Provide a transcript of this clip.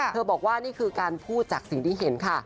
บอกว่านี่คือการพูดจากสิ่งที่เห็นค่ะ